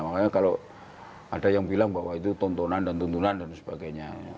makanya kalau ada yang bilang bahwa itu tontonan dan tuntunan dan sebagainya